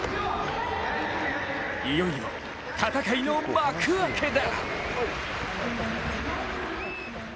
いよいよ戦いの幕開けだ！